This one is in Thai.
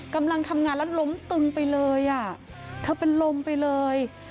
กำลังทำงานแล้วล้มตึงไปเลยอ่ะเธอเป็นลมไปเลย